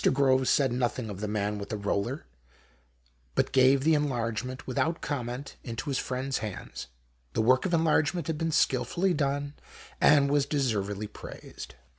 Groves said nothing of the man with the roller, but gave the enlargement, without com ment, into his friend's hands. The work of enlargement had been skilfully done, and was deservedly praised.